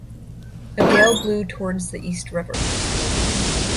A gale blew towards the East River.